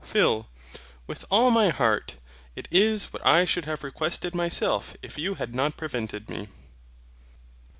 PHIL. With all my heart, it is what I should have requested myself if you had not prevented me.